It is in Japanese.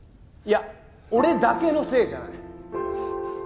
いや俺だけのせいじゃない。